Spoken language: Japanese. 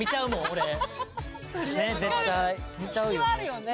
俺ね絶対見ちゃうよね